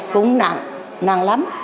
cũng nặng nặng lắm